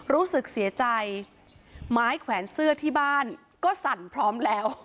รู้สึกเสียใจไม้แขวนเสื้อที่บ้านก็สั่นพร้อมแล้ว